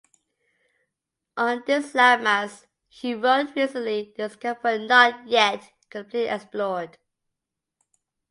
On this landmass he wrote "recently discovered but not yet completely explored".